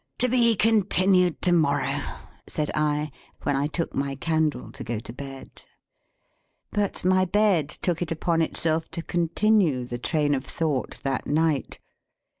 "To be continued to morrow," said I, when I took my candle to go to bed. But my bed took it upon itself to continue the train of thought that night.